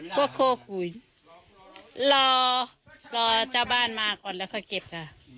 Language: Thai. พวกโคขุนรอเจ้าบ้านมาก่อนแล้วก็เก็บค่ะ